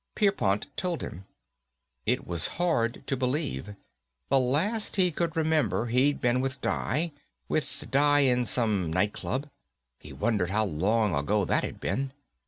Pierpont told him. It was hard to believe. The last he could remember he'd been with Di. With Di in some nightclub. He wondered how long ago that had been.